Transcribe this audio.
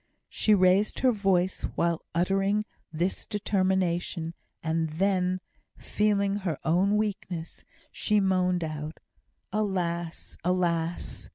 She raised her voice while uttering this determination, and then, feeling her own weakness, she moaned out, "Alas! alas!"